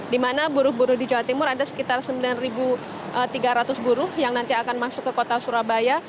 di mana buruh buruh di jawa timur ada sekitar sembilan tiga ratus buruh yang nanti akan masuk ke kota surabaya